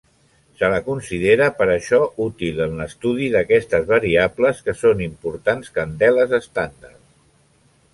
Se la considera, per això, útil en l'estudi d'aquestes variables, que són importants candeles estàndard.